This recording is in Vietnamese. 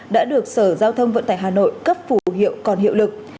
đã được sở giao thông vận tải hà nội cấp phủ hiệu còn hiệu lực